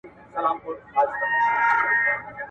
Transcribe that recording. په تعلیم کې کیفیت ټولنه عادلانه کوي.